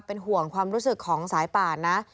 เป็นห่วงความรู้สึกของสายป่านนะ